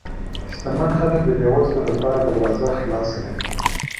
شتمن خلک د بې وزلو لپاره دروازه خلاصه لري.